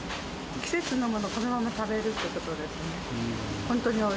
季節のものをそのまま食べるっていうことですね。